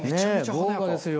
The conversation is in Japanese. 豪華ですよ